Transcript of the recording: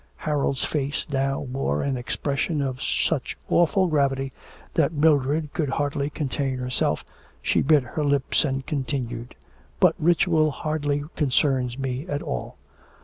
Harold's face now wore an expression of such awful gravity that Mildred could hardly contain herself, she bit her lips and continued: 'But ritual hardly concerns me at all.